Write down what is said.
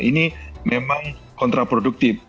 ini memang kontraproduktif